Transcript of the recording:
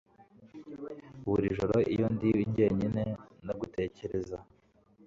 Buri joro iyo ndi jyenyine ndagutekereza